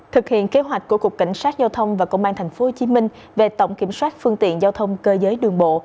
thực hiện kế hoạch của cục cảnh sát giao thông và công an tp hcm về tổng kiểm soát phương tiện giao thông cơ giới đường bộ